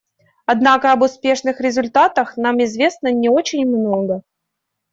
Однако об успешных результатах нам известно не очень много.